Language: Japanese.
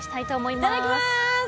いただきます！